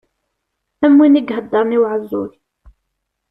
Am win i iheddren i uɛeẓẓug.